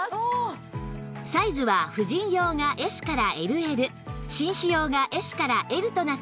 サイズは婦人用が Ｓ から ＬＬ 紳士用が Ｓ から Ｌ となっています